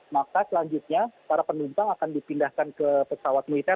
maka selanjutnya para penumpang akan dipindahkan ke pesawat militer